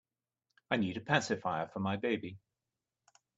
I need a pacifier for my baby.